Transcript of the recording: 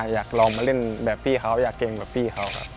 อยากลองมาเล่นแบบพี่เขาอยากเก่งแบบพี่เขาครับ